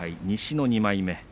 西の２枚目。